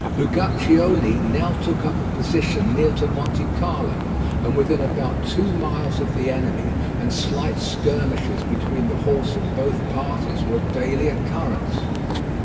Uguccione now took up a position near to Montecarlo, and within about two miles of the enemy, and slight skirmishes between the horse of both parties were of daily occurrence.